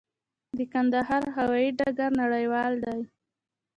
د کندهار هوايي ډګر نړیوال دی؟